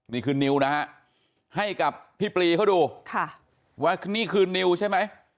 นี่คือนิวนะฮะให้กับพี่ปลีเขาดูว่านี่คือนิวใช่ไหม